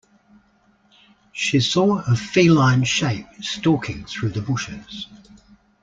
She saw a feline shape stalking through the bushes